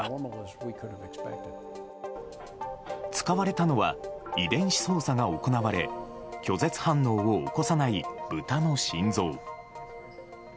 使われたのは遺伝子操作が行われ拒絶反応を起こさない豚の心臓。